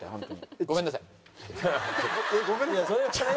「ごめんなさい」？